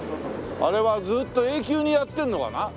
あれはずっと永久にやってるのかな？